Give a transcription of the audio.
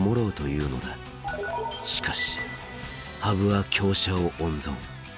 しかし羽生は香車を温存。